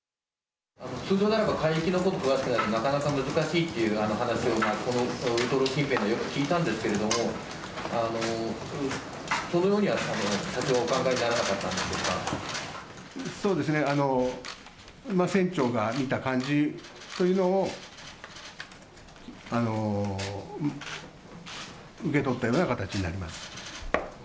通常であれば、海域のことに詳しくないとなかなか難しいっていう話を、このウトロ近辺ではよく聞いたんですけれども、そのようには社長、そうですね、船長が見た感じというのを受け取ったような形になります。